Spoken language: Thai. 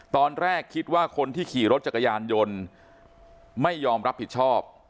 ตอนแรกคิดว่าคนที่ขี่รถจักรยานยนต์ไม่ยอมรับผิดชอบ